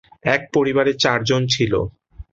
এক পরিবারে চারজন ছিল।